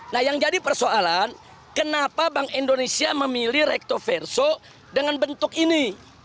nah yang jadi persoalan kenapa bank indonesia memilih rektoverso dengan bentuk ini